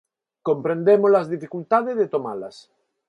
Comprendemos a dificultade de tomalas.